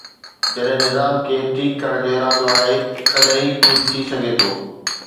جڏهن نظام کي ٺيڪ ڪرڻ جو ارادو آهي، تڏهن ئي ڪجهه ٿي سگهي ٿو.